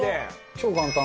超簡単。